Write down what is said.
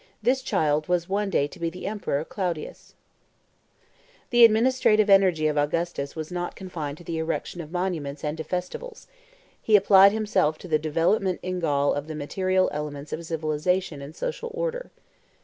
This child was one day to be the emperor Claudius. [Illustration: FROM LA CROIX ROUSSE 86] The administrative energy of Augustus was not confined to the erection of monuments and to festivals; he applied himself to the development in Gaul of the material elements of civilization and social order.